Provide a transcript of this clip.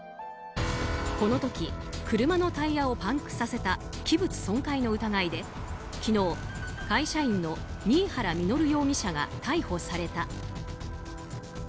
この時、車のタイヤをパンクさせた器物損壊の疑いで昨日、会社員の新原稔容疑者が逮捕された。